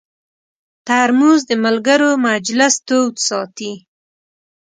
ترموز د ملګرو مجلس تود ساتي.